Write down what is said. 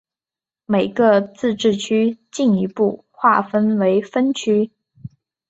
每个自治区进一步划分为分区。